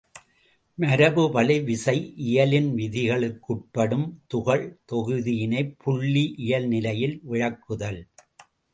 மரபுவழி விசை இயலின் விதிகளுக்குட்படும் துகள் தொகுதியினைப் புள்ளி இயல் நிலையில் விளக்குதல்.